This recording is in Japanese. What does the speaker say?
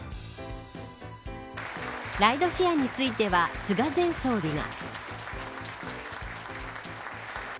ライドシェアについては菅前総理が。